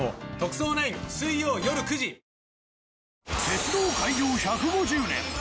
鉄道開業１５０年。